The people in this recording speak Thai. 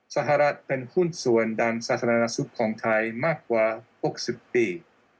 สหรัฐเป็นหุ้นส่วนดันสาธารณสุขของไทยมากกว่า๖๐ปี